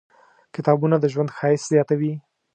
کتابونه د ژوند ښایست زیاتوي.